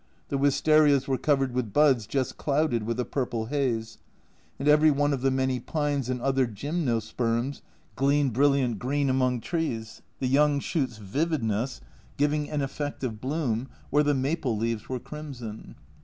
The wistarias were covered with buds just clouded with a purple haze, and every one of the many pines and other gymnosperms gleamed brilliant green among trees, the young shoots' vividness giving an (c 128) L 146 A Journal from Japan effect of bloom, where the maple leaves were crimson.